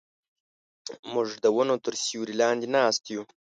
موږ د ونو تر سیوري لاندې ناست یو.